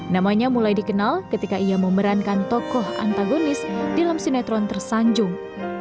namanya mulai dikenal ketika ia memerankan tokoh antagonis dalam sinetron tersanjung